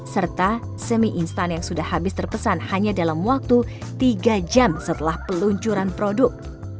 serta semi instan yang sudah habis terpesan hanya dalam waktu tiga jam setelah peluncuran produk